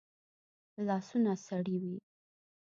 لاسونه سړې وي